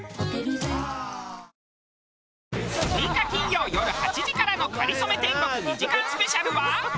６日金曜よる８時からの『かりそめ天国』２時間スペシャルは。